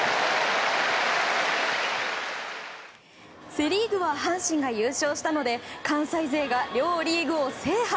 セ・リーグは阪神が優勝したので関西勢が両リーグを制覇。